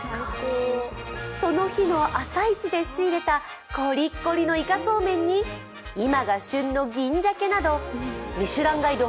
その日の朝市で仕入れたこりっこりのイカそうめんに今が旬の銀鮭などミシュランガイド